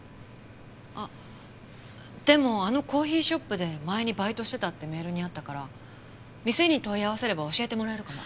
あでもあのコーヒーショップで前にバイトしてたってメールにあったから店に問い合わせれば教えてもらえるかも。